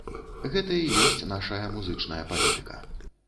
Гэта і ёсць нашая музычная палітыка.